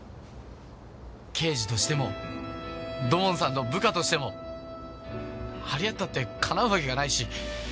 刑事としても土門さんの部下としても張り合ったってかなうわけがないし。